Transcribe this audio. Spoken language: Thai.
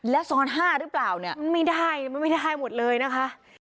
แล้วซ้อน๕หรือเปล่าเนี่ยมันไม่ได้มันไม่ได้หมดเลยนะคะ